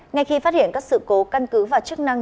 ngay khi phát hiện các sự cố căn cứ và chức năng